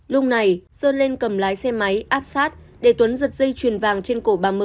lúc này sơn lên cầm lái xe máy áp sát để tuấn giật dây chuyền vàng trên cổ bà mư